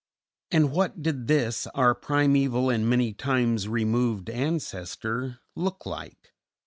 and, What did this, our primeval and many times removed ancestor, look like?